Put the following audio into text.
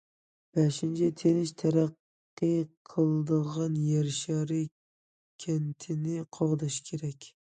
بەشىنچى، تىنچ تەرەققىي قىلىدىغان يەر شارى كەنتىنى قوغداش كېرەك.